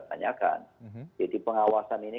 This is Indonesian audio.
tanyakan jadi pengawasan ini